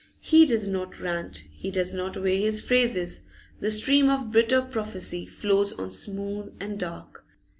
He does not rant, he does not weigh his phrases; the stream of bitter prophecy flows on smooth and dark.